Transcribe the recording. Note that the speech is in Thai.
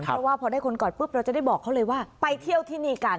เพราะว่าพอได้คนกอดปุ๊บเราจะได้บอกเขาเลยว่าไปเที่ยวที่นี่กัน